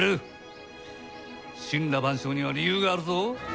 森羅万象には理由があるぞ。